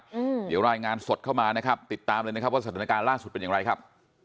อืมเดี๋ยวรายงานสดเข้ามานะครับติดตามเลยนะครับว่าสถานการณ์ล่าสุดเป็นอย่างไรครับ